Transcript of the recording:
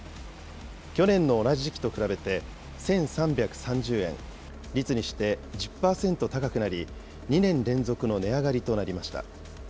去年の同じ時期と比べて１３３０円、率にして１０％高くなり、２年連続の値上がりとなりました。